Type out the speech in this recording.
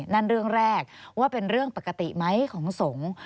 นั่นเรื่องแรกว่าเป็นเรื่องปกติไหมของสงฆ์